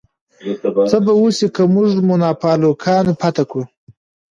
څه به وشي که موږ مونافالکانو فتح کړو؟